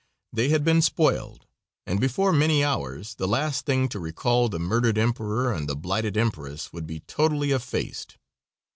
They had been spoiled, and before many hours the last thing to recall the murdered emperor and the blighted empress would be totally effaced.